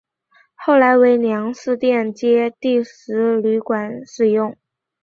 后来为粮食店街第十旅馆使用。